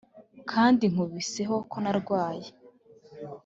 Kandi nkubiseho ko narwaye